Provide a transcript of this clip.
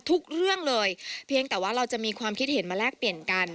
ทุกเรื่องเลยเพียงแต่ว่าเราจะมีความคิดเห็นมาแลกเปลี่ยนกัน